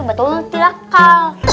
betul betul tidak kal